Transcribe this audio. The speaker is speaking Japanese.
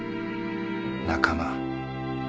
仲間。